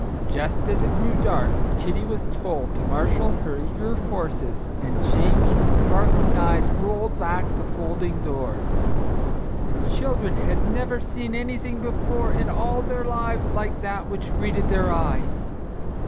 Just as it grew dark Kitty was told to marshal her eager forces and James with sparkling eyes rolled back the folding doors. The children had never seen anything before in all their lives like that which greeted their eyes.